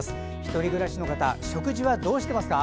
１人暮らしの方食事はどうしてますか？